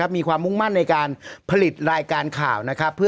มีความมุ่งมั่นในการผลิตรายการข่าวนะครับ